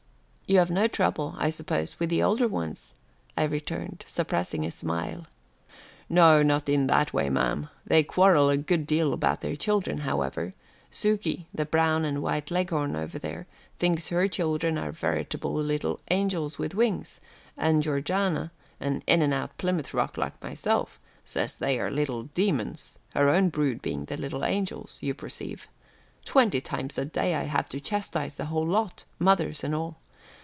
"You have no trouble, I suppose with the older ones," I returned, suppressing a smile. "No, not in that way, ma'am. They quarrel a good deal about their children, however. Sukey that brown and white Leghorn over there thinks her children are veritable little angels with wings, and Georgiana an out and out Plymouth Rock like myself says they are little demons, her own brood being the little angels, you perceive. Twenty times a day I have to chastise the whole lot, mothers and all.